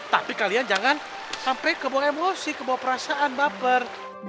tapi kalian jangan sampai kebawa emosi kebawa perasaan baper